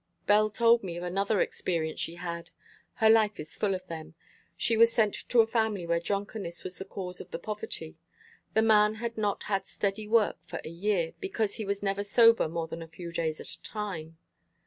Belle told me of another experience she had. Her life is full of them. She was sent to a family where drunkenness was the cause of the poverty. The man had not had steady work for a year, because he was never sober more than a few days at a time.